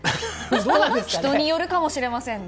人によるかもしれませんね。